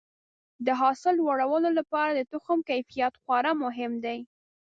د حاصل لوړولو لپاره د تخم کیفیت خورا مهم دی.